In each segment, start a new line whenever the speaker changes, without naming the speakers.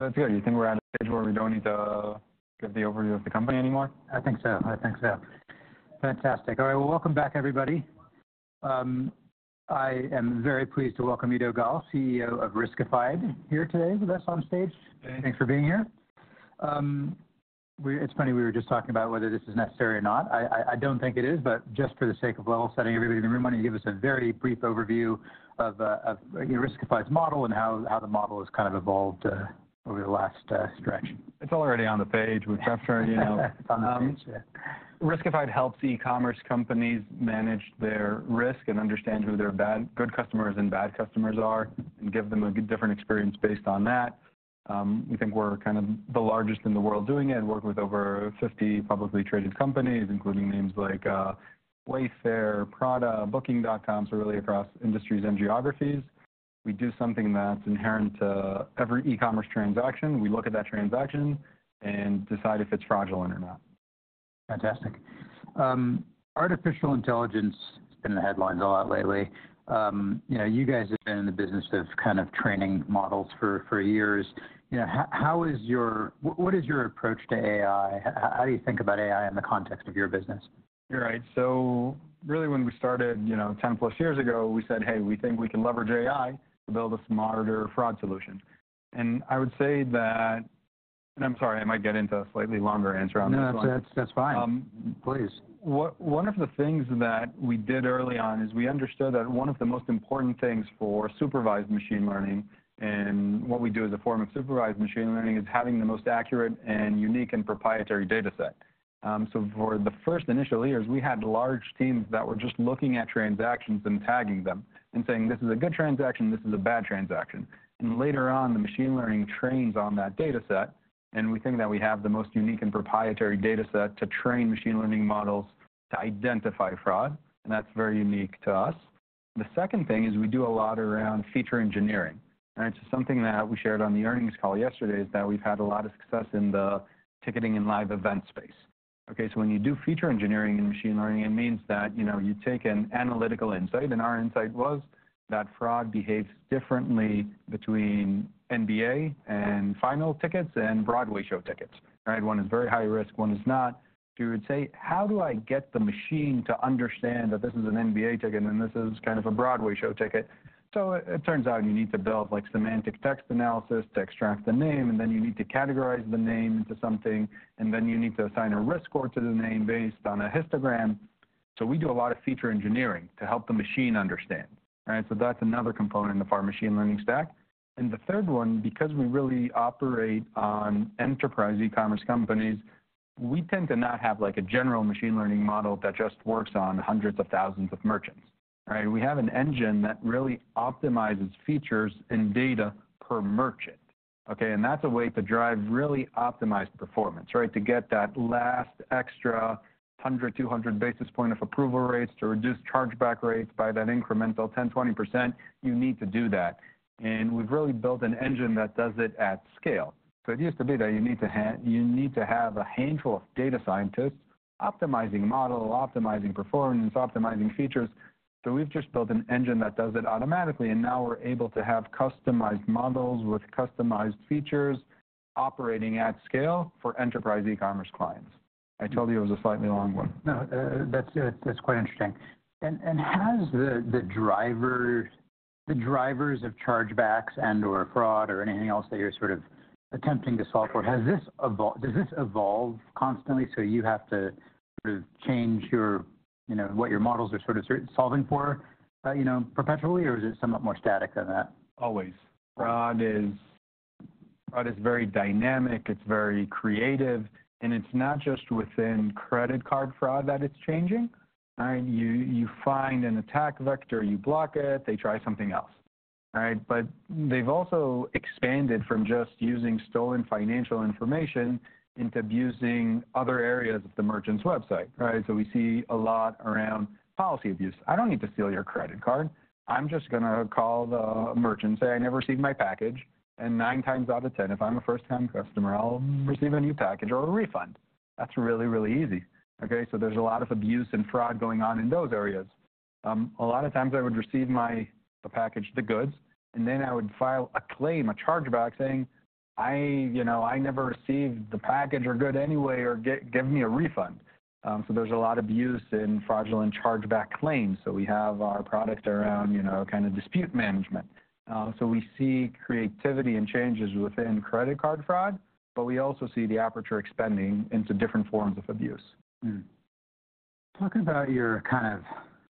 That's good. You think we're at a stage where we don't need to give the overview of the company anymore?
I think so. I think so. Fantastic. All right, well, welcome back, everybody. I am very pleased to welcome Eido Gal, CEO of Riskified, here today with us on stage.
Thank you.
Thanks for being here. It's funny, we were just talking about whether this is necessary or not. I don't think it is, but just for the sake of level setting everybody in the room, why don't you give us a very brief overview of, you know, Riskified's model and how the model has kind of evolved over the last stretch?
It's already on the page. We've captured, you know-
It's on the page, yeah.
Riskified helps e-commerce companies manage their risk and understand who their good customers and bad customers are, and give them a different experience based on that. We think we're kind of the largest in the world doing it, and work with over 50 publicly traded companies, including names like Wayfair, Prada, Booking.com, so really across industries and geographies. We do something that's inherent to every e-commerce transaction. We look at that transaction and decide if it's fraudulent or not.
Fantastic. Artificial intelligence has been in the headlines a lot lately. You know, you guys have been in the business of kind of training models for, for years. You know, how, how is your—what is your approach to AI? How, how do you think about AI in the context of your business?
Right. So really, when we started, you know, 10+ years ago, we said, "Hey, we think we can leverage AI to build a smarter fraud solution." And I would say that... And I'm sorry, I might get into a slightly longer answer on this one.
No, that's fine.
Um-
Please.
One, one of the things that we did early on is we understood that one of the most important things for supervised machine learning, and what we do as a form of supervised machine learning, is having the most accurate and unique and proprietary dataset. So for the first initial years, we had large teams that were just looking at transactions and tagging them and saying, "This is a good transaction, this is a bad transaction." And later on, the machine learning trains on that dataset, and we think that we have the most unique and proprietary dataset to train machine learning models to identify fraud, and that's very unique to us. The second thing is we do a lot around feature engineering, all right? So something that we shared on the earnings call yesterday is that we've had a lot of success in the ticketing and live event space, okay? So when you do feature engineering and machine learning, it means that, you know, you take an analytical insight, and our insight was that fraud behaves differently between NBA and finals tickets and Broadway show tickets, right? One is very high risk, one is not. So you would say, "How do I get the machine to understand that this is an NBA ticket and this is kind of a Broadway show ticket?" So it turns out you need to build, like, semantic text analysis to extract the name, and then you need to categorize the name into something, and then you need to assign a risk score to the name based on a histogram. So we do a lot of feature engineering to help the machine understand, right? So that's another component of our machine learning stack. And the third one, because we really operate on enterprise e-commerce companies, we tend to not have, like, a general machine learning model that just works on hundreds of thousands of merchants, right? We have an engine that really optimizes features and data per merchant, okay? And that's a way to drive really optimized performance, right? To get that last extra 100-200 basis points of approval rates, to reduce chargeback rates by that incremental 10%-20%, you need to do that. And we've really built an engine that does it at scale. So it used to be that you need to have a handful of data scientists optimizing model, optimizing performance, optimizing features. So we've just built an engine that does it automatically, and now we're able to have customized models with customized features operating at scale for enterprise e-commerce clients. I told you it was a slightly long one.
No, that's quite interesting. Has the drivers of chargebacks and/or fraud or anything else that you're sort of attempting to solve for, does this evolve constantly, so you have to sort of change your, you know, what your models are sort of solving for, you know, perpetually, or is it somewhat more static than that?
Always.
Always.
Fraud is very dynamic, it's very creative, and it's not just within credit card fraud that it's changing. You find an attack vector, you block it, they try something else, right? But they've also expanded from just using stolen financial information into abusing other areas of the merchant's website, right? So we see a lot around policy abuse. I don't need to steal your credit card. I'm just gonna call the merchant and say, "I never received my package," and nine times out of ten, if I'm a first-time customer, I'll receive a new package or a refund. That's really, really easy, okay? So there's a lot of abuse and fraud going on in those areas. A lot of times I would receive my package, the goods, and then I would file a claim, a chargeback, saying, "I, you know, I never received the package or good anyway, or give me a refund." So there's a lot of abuse in fraudulent chargeback claims. So we have our product around, you know, kind of dispute management. So we see creativity and changes within credit card fraud, but we also see the aperture expanding into different forms of abuse.
Talk about your kind of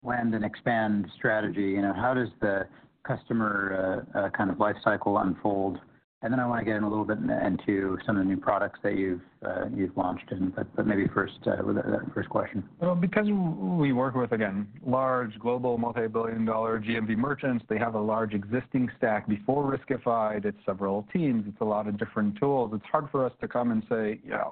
land and expand strategy. You know, how does the customer kind of life cycle unfold? And then I wanna get in a little bit into some of the new products that you've launched. But maybe first, with that first question.
Well, because we work with, again, large, global, multi-billion dollar GMV merchants, they have a large existing stack. Before Riskified, it's several teams, it's a lot of different tools. It's hard for us to come and say, "Yeah,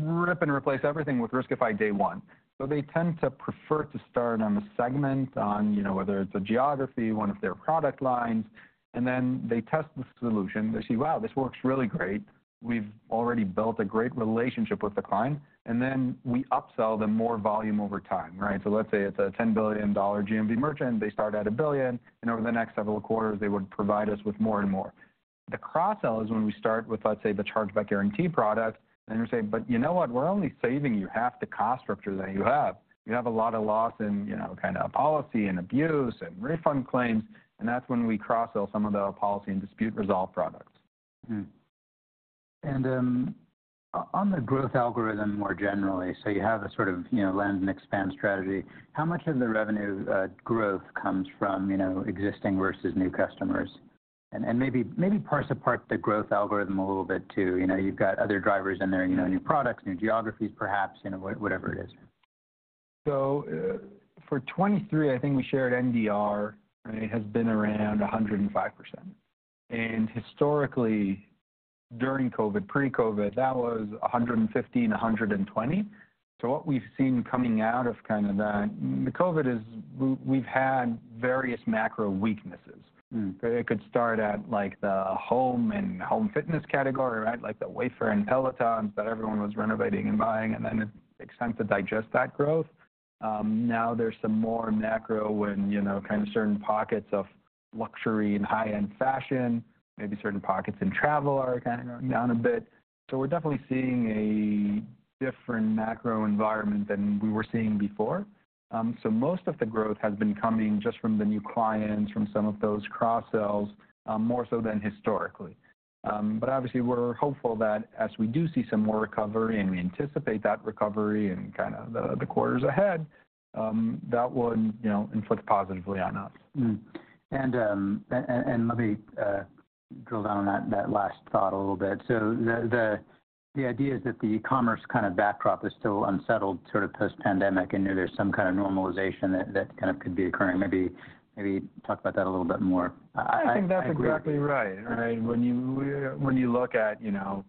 rip and replace everything with Riskified day one." So they tend to prefer to start on a segment on, you know, whether it's a geography, one of their product lines, and then they test the solution. They say, "Wow, this works really great." We've already built a great relationship with the client, and then we upsell them more volume over time, right? So let's say it's a $10 billion GMV merchant, they start at $1 billion, and over the next several quarters, they would provide us with more and more.... The cross-sell is when we start with, let's say, the Chargeback Guarantee product, and you say, "But you know what? We're only saving you half the cost structure that you have. You have a lot of loss in, you know, kind of policy and abuse and refund claims," and that's when we cross-sell some of the Policy and Dispute Resolve products.
Mm-hmm. And on the growth algorithm, more generally, so you have a sort of, you know, land and expand strategy. How much of the revenue growth comes from, you know, existing versus new customers? And maybe parse apart the growth algorithm a little bit, too. You know, you've got other drivers in there, you know, new products, new geographies, perhaps, you know, whatever it is.
So, for 2023, I think we shared NDR, right, has been around 105%. And historically, during COVID, pre-COVID, that was 115, 120. So what we've seen coming out of kind of the COVID is we've had various macro weaknesses.
Mm.
It could start at, like, the home and home fitness category, right? Like the Wayfair and Peloton that everyone was renovating and buying, and then it takes time to digest that growth. Now there's some more macro when, you know, kind of certain pockets of luxury and high-end fashion, maybe certain pockets in travel are kind of going down a bit. So we're definitely seeing a different macro environment than we were seeing before. So most of the growth has been coming just from the new clients, from some of those cross-sells, more so than historically. But obviously, we're hopeful that as we do see some more recovery, and we anticipate that recovery in kinda the quarters ahead, that would, you know, inflict positively on us.
And let me drill down on that last thought a little bit. So the idea is that the commerce kind of backdrop is still unsettled, sort of post-pandemic, and there's some kind of normalization that kind of could be occurring. Maybe talk about that a little bit more. I-
I think that's exactly right.
Right.
When you look at, you know,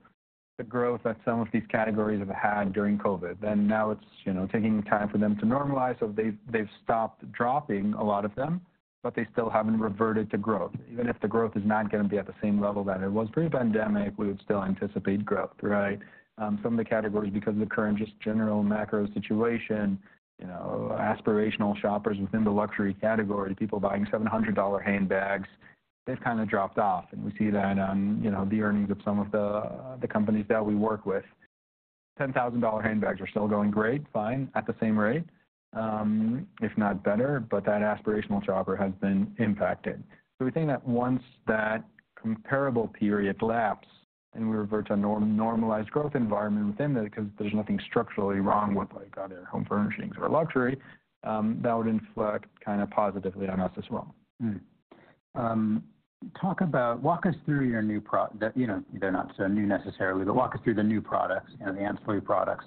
the growth that some of these categories have had during COVID, then now it's, you know, taking time for them to normalize, so they've stopped dropping, a lot of them, but they still haven't reverted to growth. Even if the growth is not gonna be at the same level that it was pre-pandemic, we would still anticipate growth, right? Some of the categories, because of the current, just general macro situation, you know, aspirational shoppers within the luxury category, people buying $700 handbags, they've kind of dropped off, and we see that on, you know, the earnings of some of the companies that we work with. $10,000 handbags are still going great, fine, at the same rate, if not better, but that aspirational shopper has been impacted. So we think that once that comparable period lapses, and we revert to a normalized growth environment within that, because there's nothing structurally wrong with, like, either home furnishings or luxury, that would reflect positively on us as well.
Walk us through your new products. You know, they're not so new necessarily, but walk us through the new products, you know, the ancillary products.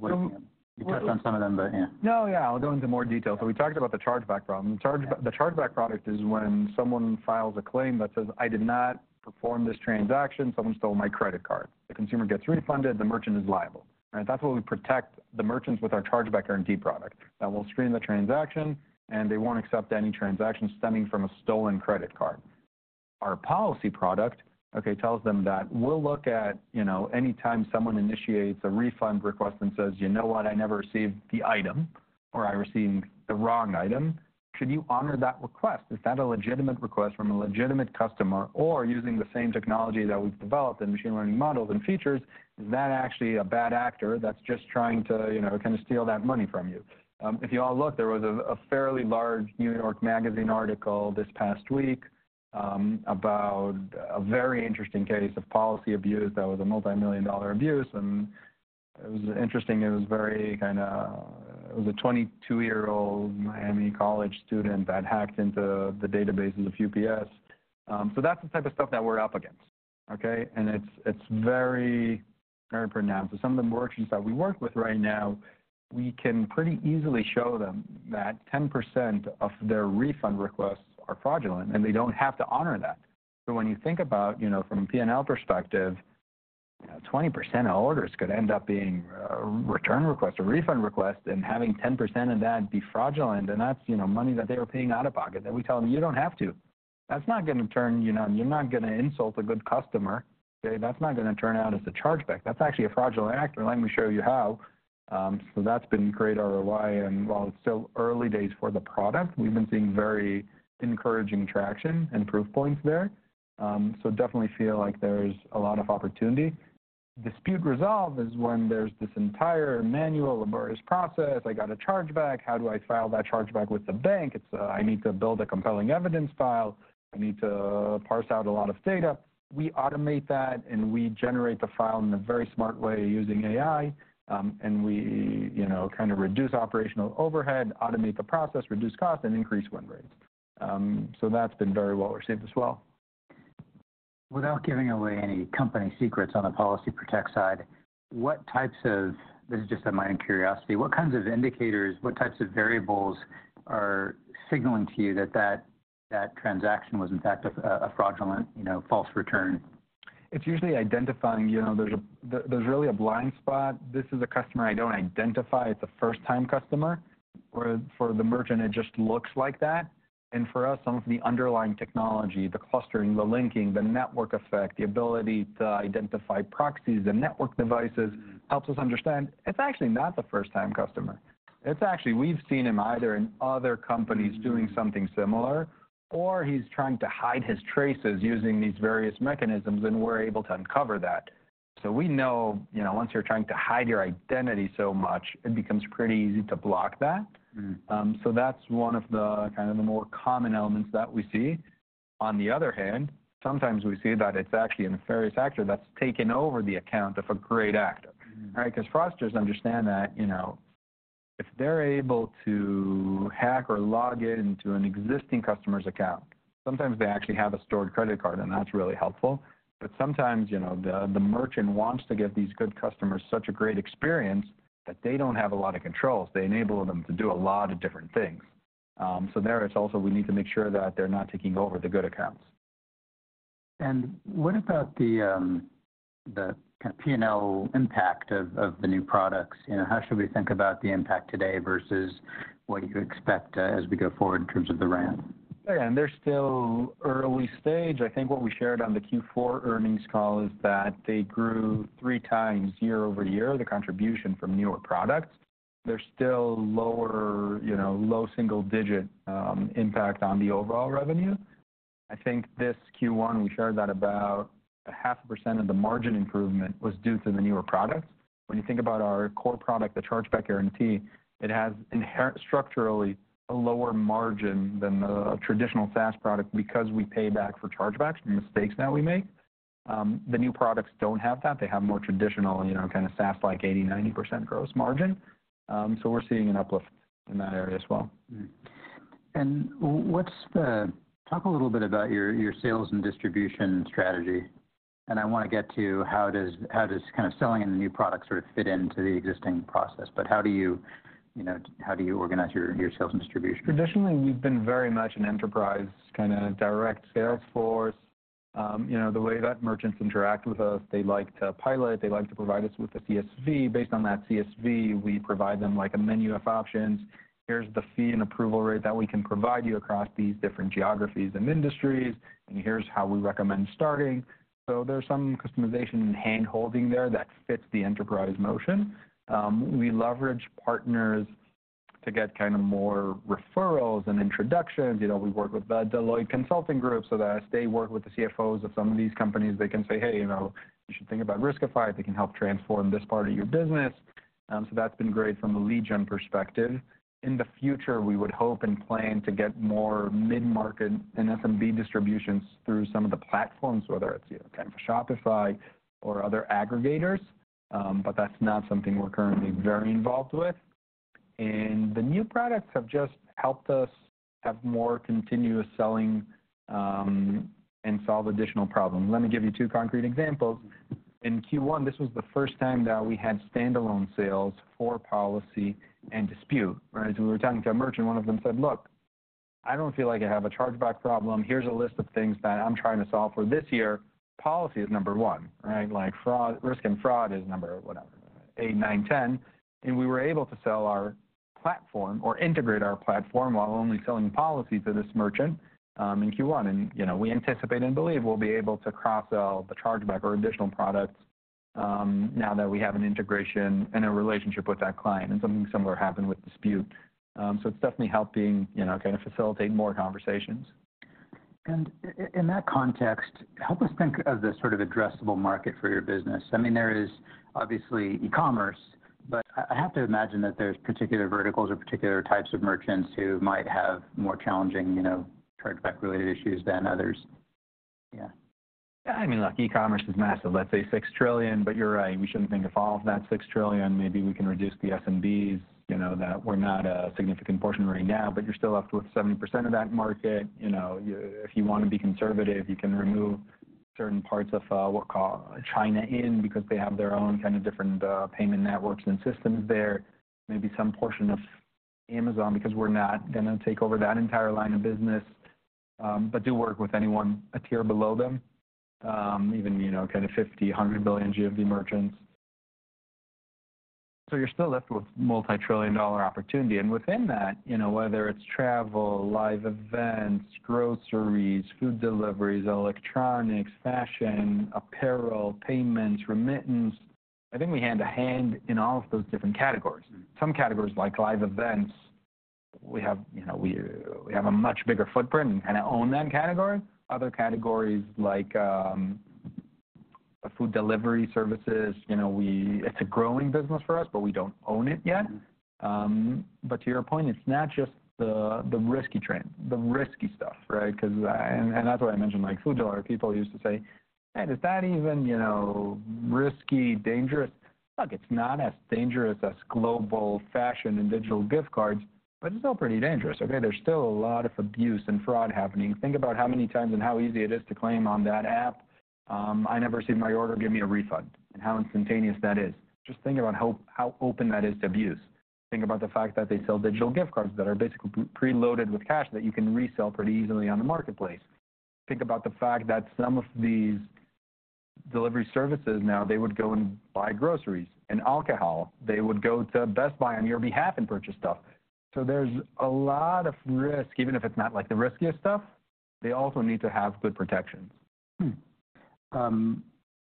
So-
You touched on some of them, but, yeah.
No, yeah, I'll go into more detail. We talked about the chargeback problem.
Yeah.
The chargeback product is when someone files a claim that says, "I did not perform this transaction, someone stole my credit card." The consumer gets refunded, the merchant is liable. Right, that's where we protect the merchants with our Chargeback Guarantee product. Now, we'll screen the transaction, and they won't accept any transaction stemming from a stolen credit card. Our Policy product, okay, tells them that we'll look at, you know, anytime someone initiates a refund request and says, "You know what? I never received the item," or, "I received the wrong item," should you honor that request? Is that a legitimate request from a legitimate customer, or using the same technology that we've developed in machine learning models and features, is that actually a bad actor that's just trying to, you know, kind of steal that money from you? If you all look, there was a fairly large New York Magazine article this past week about a very interesting case of policy abuse that was a $multi-million-dollar abuse, and it was interesting. It was very kind of... It was a 22-year-old Miami college student that hacked into the databases of UPS. So that's the type of stuff that we're up against, okay? And it's very, very pronounced. So some of the merchants that we work with right now, we can pretty easily show them that 10% of their refund requests are fraudulent, and they don't have to honor that. So when you think about, you know, from a P&L perspective, you know, 20% of orders could end up being return requests or refund requests, and having 10% of that be fraudulent, and that's, you know, money that they were paying out of pocket. Then we tell them, "You don't have to. That's not gonna turn... You know, you're not gonna insult a good customer. Okay? That's not gonna turn out as a chargeback. That's actually a fraudulent actor. Let me show you how." So that's been great ROI, and while it's still early days for the product, we've been seeing very encouraging traction and proof points there. So definitely feel like there's a lot of opportunity. Dispute Resolve is when there's this entire manual, laborious process. "I got a chargeback. How do I file that chargeback with the bank? It's, "I need to build a compelling evidence file. I need to parse out a lot of data." We automate that, and we generate the file in a very smart way using AI, and we, you know, kind of reduce operational overhead, automate the process, reduce cost, and increase win rates. So that's been very well received as well.
Without giving away any company secrets on the Policy Protect side, what types of... This is just a minor curiosity, what kinds of indicators, what types of variables are signaling to you that that transaction was, in fact, a fraudulent, you know, false return?
It's usually identifying, you know, there's really a blind spot. This is a customer I don't identify. It's a first-time customer, or for the merchant, it just looks like that. And for us, some of the underlying technology, the clustering, the linking, the network effect, the ability to identify proxies and network devices, helps us understand it's actually not the first-time customer. It's actually, we've seen him either in other companies doing something similar, or he's trying to hide his traces using these various mechanisms, and we're able to uncover that. So we know, you know, once you're trying to hide your identity so much, it becomes pretty easy to block that.
Mm.
That's one of the kind of the more common elements that we see. On the other hand, sometimes we see that it's actually a nefarious actor that's taken over the account of a great actor.
Mm.
Right? 'Cause fraudsters understand that, you know, if they're able to hack or log in to an existing customer's account, sometimes they actually have a stored credit card, and that's really helpful. But sometimes, you know, the merchant wants to give these good customers such a great experience that they don't have a lot of controls. They enable them to do a lot of different things. So there, it's also we need to make sure that they're not taking over the good accounts.
What about the kind of P&L impact of the new products? You know, how should we think about the impact today versus what you expect as we go forward in terms of the ramp?
Yeah, and they're still early stage. I think what we shared on the Q4 earnings call is that they grew 3x year-over-year, the contribution from newer products. They're still lower, you know, low single digit impact on the overall revenue. I think this Q1, we shared that about 0.5% of the margin improvement was due to the newer products. When you think about our core product, the Chargeback Guarantee, it has inherent structurally a lower margin than the traditional SaaS product because we pay back for chargebacks and mistakes that we make. The new products don't have that. They have more traditional, you know, kind of SaaS, like 80%, 90% gross margin. So we're seeing an uplift in that area as well.
Talk a little bit about your, your sales and distribution strategy, and I wanna get to how does, how does kind of selling in the new product sort of fit into the existing process. But how do you, you know, how do you organize your, your sales and distribution?
Traditionally, we've been very much an enterprise, kind of direct sales force. You know, the way that merchants interact with us, they like to pilot, they like to provide us with a CSV. Based on that CSV, we provide them, like, a menu of options. Here's the fee and approval rate that we can provide you across these different geographies and industries, and here's how we recommend starting. So there's some customization and handholding there that fits the enterprise motion. We leverage partners to get kind of more referrals and introductions. You know, we work with the Deloitte Consulting Group so that as they work with the CFOs of some of these companies, they can say, "Hey, you know, you should think about Riskified. They can help transform this part of your business." So that's been great from a lead gen perspective. In the future, we would hope and plan to get more mid-market and SMB distributions through some of the platforms, whether it's kind of Shopify or other aggregators, but that's not something we're currently very involved with. And the new products have just helped us have more continuous selling, and solve additional problems. Let me give you two concrete examples. In Q1, this was the first time that we had standalone sales for policy and dispute, right? So we were talking to a merchant, one of them said: Look, I don't feel like I have a chargeback problem. Here's a list of things that I'm trying to solve for this year. Policy is number one, right? Like, fraud, risk and fraud is number whatever, eight, nine, ten. We were able to sell our platform or integrate our platform while only selling policy to this merchant in Q1. You know, we anticipate and believe we'll be able to cross-sell the chargeback or additional products now that we have an integration and a relationship with that client, and something similar happened with dispute. It's definitely helping, you know, kind of facilitate more conversations.
In that context, help us think of the sort of addressable market for your business. I mean, there is obviously e-commerce, but I have to imagine that there's particular verticals or particular types of merchants who might have more challenging, you know, chargeback-related issues than others. Yeah.
I mean, look, e-commerce is massive. Let's say $6 trillion, but you're right, we shouldn't think of all of that $6 trillion. Maybe we can reduce the SMBs, you know, that we're not a significant portion right now, but you're still left with 70% of that market. You know, if you want to be conservative, you can remove certain parts of what we call China and India, because they have their own kind of different payment networks and systems there. Maybe some portion of Amazon, because we're not gonna take over that entire line of business, but do work with anyone a tier below them, even, you know, kind of 50-100 billion GMV merchants. So you're still left with $multi-trillion-dollar opportunity, and within that, you know, whether it's travel, live events, groceries, food deliveries, electronics, fashion, apparel, payments, remittance, I think we hand a hand in all of those different categories.
Mm.
Some categories, like live events, we have, you know, we have a much bigger footprint and kind of own that category. Other categories like food delivery services, you know, we—it's a growing business for us, but we don't own it yet.
Mm.
But to your point, it's not just the risky trend, the risky stuff, right? Because that's why I mentioned, like, food delivery. People used to say, "Hey, is that even, you know, risky, dangerous?" Look, it's not as dangerous as global fashion and digital gift cards, but it's still pretty dangerous, okay? There's still a lot of abuse and fraud happening. Think about how many times and how easy it is to claim on that app. "I never seen my order, give me a refund," and how instantaneous that is. Just think about how open that is to abuse. Think about the fact that they sell digital gift cards that are basically pre-loaded with cash that you can resell pretty easily on the marketplace. Think about the fact that some of these delivery services now, they would go and buy groceries and alcohol. They would go to Best Buy on your behalf and purchase stuff. There's a lot of risk, even if it's not like the riskiest stuff. They also need to have good protections.
And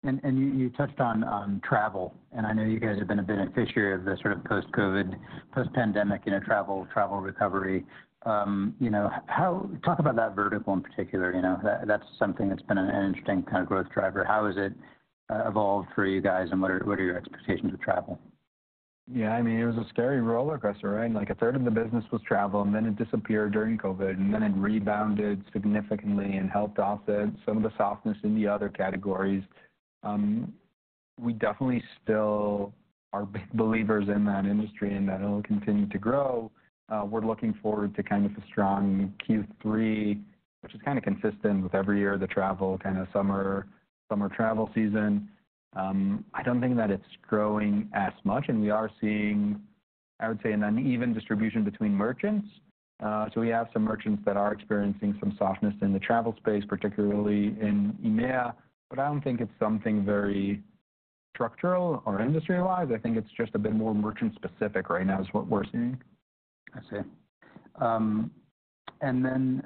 you touched on travel, and I know you guys have been a beneficiary of the sort of post-COVID, post-pandemic, you know, travel recovery. You know, talk about that vertical in particular, you know, that's something that's been an interesting kind of growth driver. How has it evolved for you guys, and what are your expectations with travel?
Yeah, I mean, it was a scary rollercoaster, right? Like, a third of the business was travel, and then it disappeared during COVID, and then it rebounded significantly and helped offset some of the softness in the other categories. We definitely still are big believers in that industry, and that it'll continue to grow. We're looking forward to kind of a strong Q3, which is kind of consistent with every year, the travel, kind of summer, summer travel season. I don't think that it's growing as much, and we are seeing, I would say, an uneven distribution between merchants. So we have some merchants that are experiencing some softness in the travel space, particularly in EMEA, but I don't think it's something very structural or industry-wise. I think it's just a bit more merchant-specific right now, is what we're seeing.
I see. And then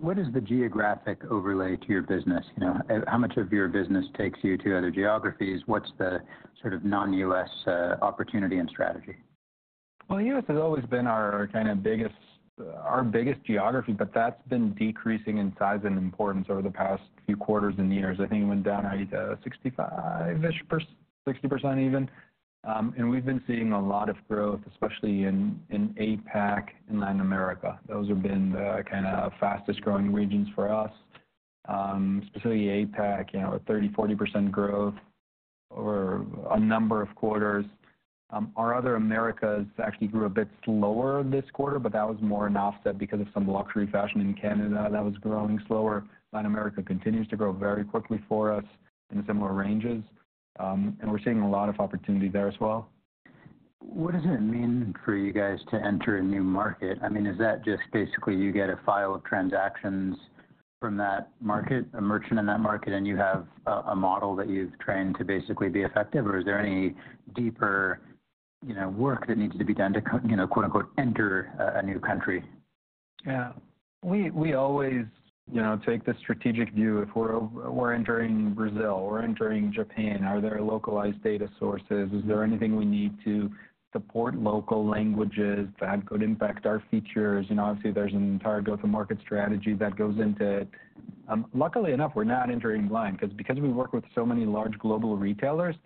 what is the geographic overlay to your business? You know, how much of your business takes you to other geographies? What's the sort of non-US opportunity and strategy?
Well, the US has always been our, our kind of biggest, our biggest geography, but that's been decreasing in size and importance over the past few quarters and years. I think it went down, 65-ish%-- 60% even. And we've been seeing a lot of growth, especially in, in APAC and Latin America. Those have been the kind of fastest-growing regions for us. Specifically APAC, you know, with 30%-40% growth over a number of quarters. Our other Americas actually grew a bit slower this quarter, but that was more an offset because of some luxury fashion in Canada that was growing slower. Latin America continues to grow very quickly for us in similar ranges, and we're seeing a lot of opportunity there as well.
What does it mean for you guys to enter a new market? I mean, is that just basically you get a file of transactions from that market, a merchant in that market, and you have a model that you've trained to basically be effective, or is there any deeper, you know, work that needs to be done to, you know, quote, unquote, "enter" a new country?
Yeah. We always, you know, take the strategic view. If we're entering Brazil, we're entering Japan, are there localized data sources? Is there anything we need to support local languages that could impact our features? You know, obviously, there's an entire go-to-market strategy that goes into it. Luckily enough, we're not entering blind, because we work with so many large global retailers,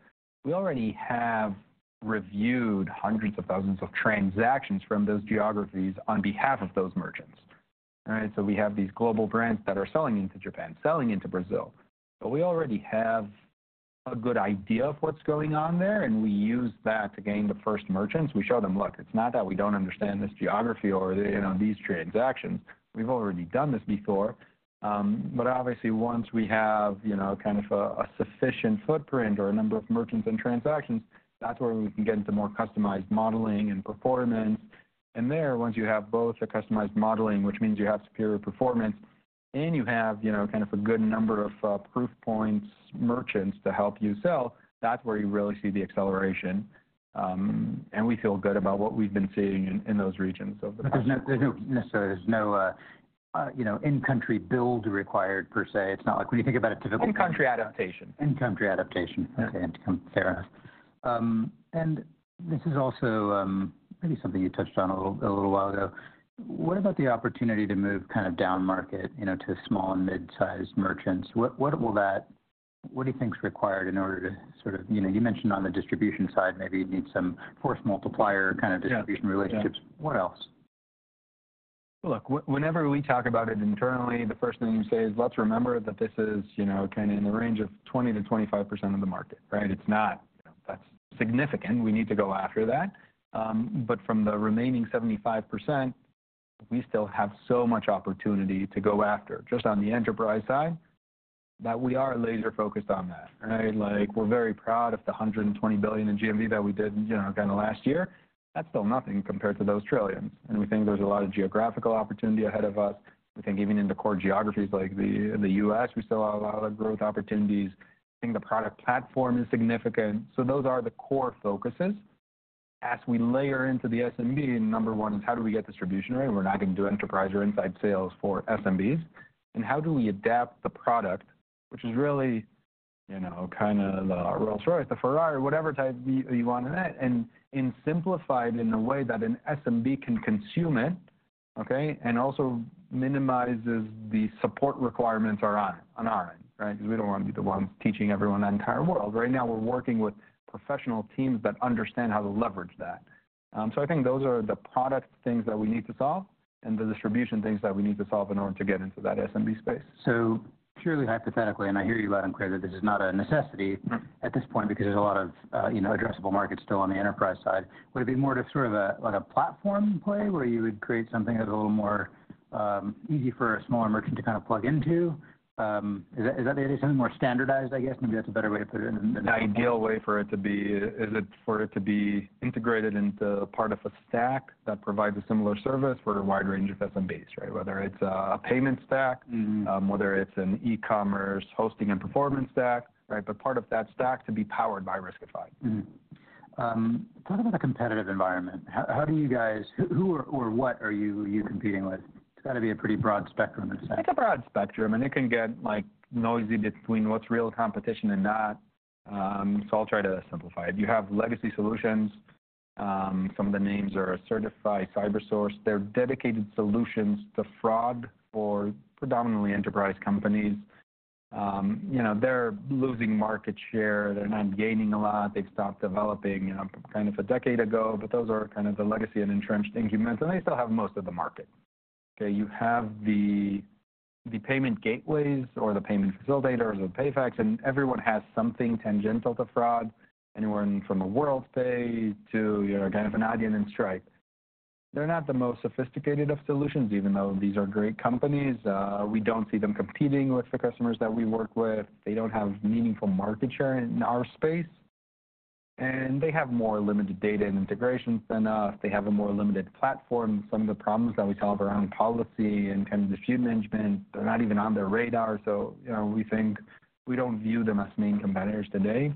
we already have reviewed hundreds of thousands of transactions from those geographies on behalf of those merchants. Right? So we have these global brands that are selling into Japan, selling into Brazil, but we already have a good idea of what's going on there, and we use that to gain the first merchants. We show them, "Look, it's not that we don't understand this geography or, you know, these transactions. We've already done this before. But obviously, once we have, you know, kind of a sufficient footprint or a number of merchants and transactions, that's where we can get into more customized modeling and performance. And there, once you have both a customized modeling, which means you have superior performance, and you have, you know, kind of a good number of proof points, merchants to help you sell, that's where you really see the acceleration. And we feel good about what we've been seeing in those regions over the past-
But there's no necessarily, you know, in-country build required per se. It's not like when you think about a typical-
In-country adaptation.
In-country adaptation.
Yeah.
Okay, fair enough. And this is also maybe something you touched on a little while ago. What about the opportunity to move kind of down market, you know, to small and mid-sized merchants? What will that—what do you think is required in order to sort of... You know, you mentioned on the distribution side, maybe you'd need some force multiplier kind of-
Yeah...
distribution relationships. What else?
Look, whenever we talk about it internally, the first thing we say is, let's remember that this is, you know, kind of in the range of 20%-25% of the market, right? It's not, that's significant. We need to go after that. But from the remaining 75%, we still have so much opportunity to go after, just on the enterprise side, that we are laser-focused on that, right? Like, we're very proud of the $120 billion in GMV that we did, you know, kind of last year. That's still nothing compared to those trillions, and we think there's a lot of geographical opportunity ahead of us. We think even in the core geographies like the U.S., we still have a lot of growth opportunities. I think the product platform is significant. So those are the core focuses. As we layer into the SMB, number one is how do we get distribution, right? We're not going to do enterprise or inside sales for SMBs. And how do we adapt the product, which is really, you know, kind of the Rolls-Royce, the Ferrari, whatever type you want in it, and, and simplify it in a way that an SMB can consume it, okay? And also minimizes the support requirements are on, on our end, right? Because we don't want to be the one teaching everyone the entire world. Right now, we're working with professional teams that understand how to leverage that. So I think those are the product things that we need to solve and the distribution things that we need to solve in order to get into that SMB space.
Purely hypothetically, and I hear you loud and clear, that this is not a necessity.
Mm-hmm.
at this point, because there's a lot of, you know, addressable markets still on the enterprise side. Would it be more to sort of a, like, a platform play, where you would create something that's a little more easy for a smaller merchant to kind of plug into? Is that, is that something more standardized, I guess? Maybe that's a better way to put it than-
The ideal way for it to be is for it to be integrated into part of a stack that provides a similar service for a wide range of SMBs, right? Whether it's a payment stack-
Mm-hmm.
whether it's an e-commerce hosting and performance stack, right? But part of that stack to be powered by Riskified.
Mm-hmm. Talk about the competitive environment. How do you guys—who or what are you competing with? It's gotta be a pretty broad spectrum inside.
It's a broad spectrum, and it can get, like, noisy between what's real competition and not. So I'll try to simplify it. You have legacy solutions. Some of the names are Accertify, Cybersource. They're dedicated solutions to fraud for predominantly enterprise companies. You know, they're losing market share, they're not gaining a lot. They've stopped developing, you know, kind of a decade ago. But those are kind of the legacy and entrenched incumbents, and they still have most of the market. Okay, you have the payment gateways or the payment facilitators, the PayFacs, and everyone has something tangential to fraud, anyone from a Worldpay to, you know, kind of an Adyen and Stripe. They're not the most sophisticated of solutions, even though these are great companies. We don't see them competing with the customers that we work with. They don't have meaningful market share in our space, and they have more limited data and integrations than us. They have a more limited platform. Some of the problems that we solve around policy and kind of dispute management, they're not even on their radar. So, you know, we think we don't view them as main competitors today.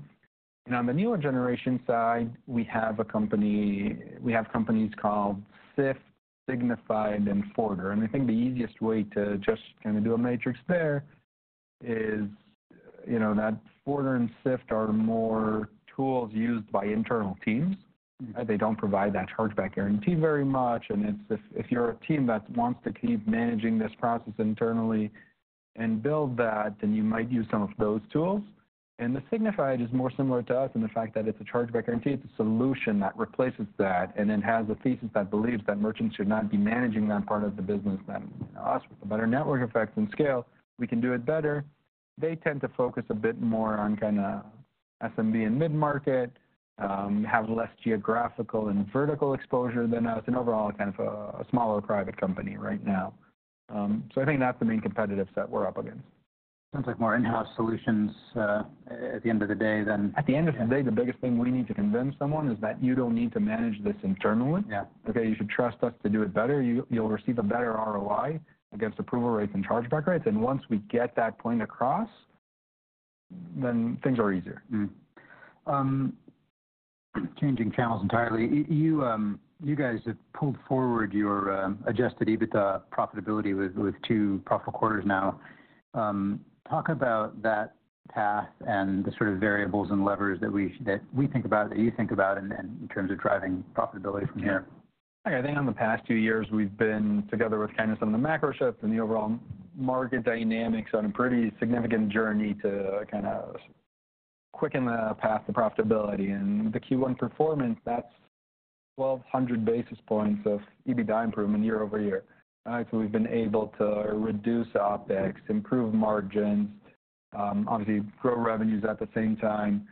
And on the newer generation side, we have a company—we have companies called Sift, Signifyd, and Forter. And I think the easiest way to just kinda do a matrix there is, you know, that Forter and Sift are more tools used by internal teams. They don't provide that Chargeback Guarantee very much, and it's, if you're a team that wants to keep managing this process internally and build that, then you might use some of those tools. The Signifyd is more similar to us in the fact that it's a chargeback guarantee. It's a solution that replaces that and then has a thesis that believes that merchants should not be managing that part of the business. Us, with a better network effect and scale, we can do it better. They tend to focus a bit more on kinda SMB and mid-market, have less geographical and vertical exposure than us, and overall, kind of a smaller private company right now. So I think that's the main competitive set we're up against.
Sounds like more in-house solutions, at the end of the day than-
At the end of the day, the biggest thing we need to convince someone is that you don't need to manage this internally.
Yeah.
Okay, you should trust us to do it better. You, you'll receive a better ROI against approval rates and chargeback rates. Once we get that point across, then things are easier.
Mm-hmm. Changing channels entirely. You, you guys have pulled forward your Adjusted EBITDA profitability with two profitable quarters now. Talk about that path and the sort of variables and levers that we, that we think about, that you think about in terms of driving profitability from here.
Yeah. I think in the past two years, we've been, together with kind of some of the macro shifts and the overall market dynamics, on a pretty significant journey to kind of quicken the path to profitability. And the Q1 performance, that's 1,200 basis points of EBITDA improvement year-over-year. So we've been able to reduce OpEx, improve margins, obviously grow revenues at the same time.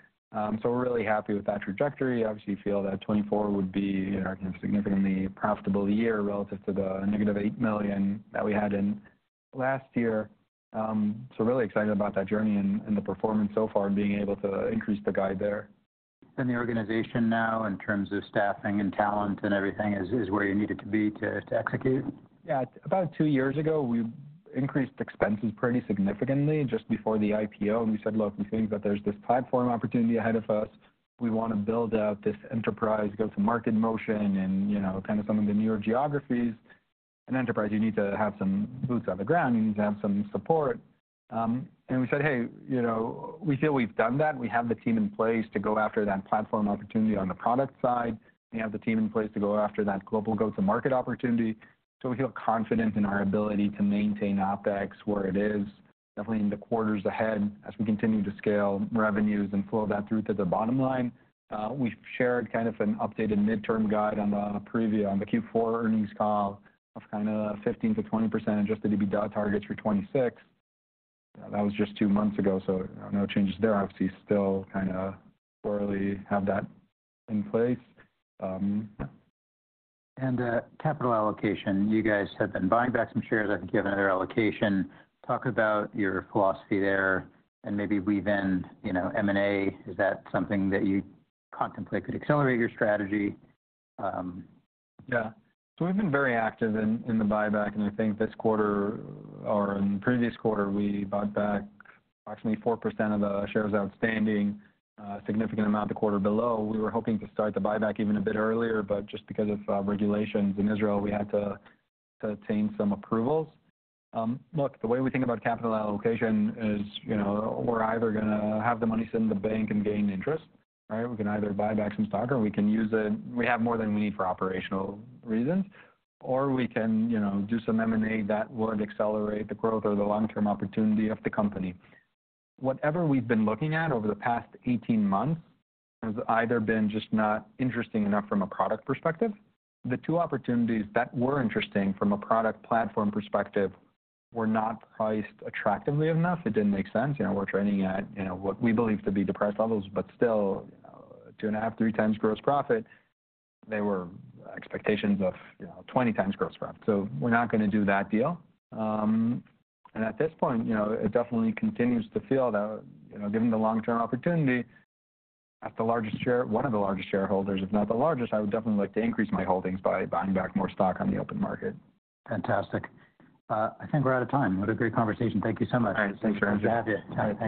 So we're really happy with that trajectory. Obviously feel that 2024 would be, you know, significantly profitable year relative to the negative $8 million that we had in last year. So really excited about that journey and the performance so far, being able to increase the guide there.
The organization now, in terms of staffing and talent and everything, is where you need it to be to execute?
Yeah. About two years ago, we increased expenses pretty significantly just before the IPO, and we said, "Look, we think that there's this platform opportunity ahead of us. We wanna build out this enterprise, go-to-market motion, and, you know, kind of some of the newer geographies." In enterprise, you need to have some boots on the ground, you need to have some support. And we said, "Hey, you know, we feel we've done that." We have the team in place to go after that platform opportunity on the product side. We have the team in place to go after that global go-to-market opportunity. So we feel confident in our ability to maintain OpEx where it is, definitely in the quarters ahead as we continue to scale revenues and flow that through to the bottom line. We've shared kind of an updated midterm guide on the preview on the Q4 earnings call of kinda 15%-20% adjusted EBITDA targets for 2026. That was just two months ago, so no changes there. Obviously, still kinda poorly have that in place.
Capital allocation. You guys have been buying back some shares. I think you have another allocation. Talk about your philosophy there and maybe weave in, you know, M&A. Is that something that you contemplate could accelerate your strategy?
Yeah. So we've been very active in the buyback, and I think this quarter or in the previous quarter, we bought back approximately 4% of the shares outstanding, significant amount the quarter below. We were hoping to start the buyback even a bit earlier, but just because of regulations in Israel, we had to obtain some approvals. Look, the way we think about capital allocation is, you know, we're either gonna have the money sit in the bank and gain interest, right? We can either buy back some stock or we can use it. We have more than we need for operational reasons, or we can, you know, do some M&A that would accelerate the growth or the long-term opportunity of the company. Whatever we've been looking at over the past 18 months has either been just not interesting enough from a product perspective. The two opportunities that were interesting from a product platform perspective were not priced attractively enough. It didn't make sense. You know, we're trading at, you know, what we believe to be depressed levels, but still, 2.5-3 times gross profit. They were expectations of, you know, 20 times gross profit, so we're not gonna do that deal. And at this point, you know, it definitely continues to feel that, you know, given the long-term opportunity, as one of the largest shareholders, if not the largest, I would definitely like to increase my holdings by buying back more stock on the open market.
Fantastic. I think we're out of time. What a great conversation. Thank you so much.
All right. Thank you.
Nice to have you. Thank you.